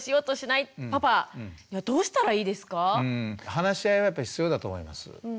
話し合いはやっぱり必要だと思います。